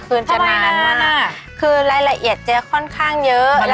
คืนจะนานมากคือรายละเอียดจะค่อนข้างเยอะ